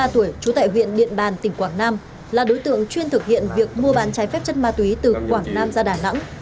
ba mươi tuổi trú tại huyện điện bàn tỉnh quảng nam là đối tượng chuyên thực hiện việc mua bán trái phép chất ma túy từ quảng nam ra đà nẵng